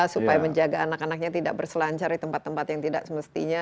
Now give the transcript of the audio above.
supaya menjaga anak anaknya tidak berselancar di tempat tempat yang tidak semestinya